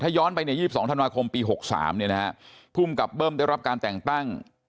ย้อนไป๒๒ธันวาคมปี๖๓ภูมิกับเบิ้มได้รับการแต่งตั้ง